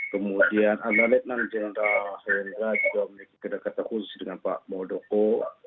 kemudian ada lietman jenderal tni andika juga memiliki kedekatan khusus dengan pak modoko